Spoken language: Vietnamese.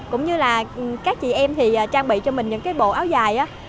cũng như là các chị em thì trang bị cho mình những cái bộ áo dài